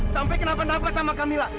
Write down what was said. sampai kenapa napa sama camilla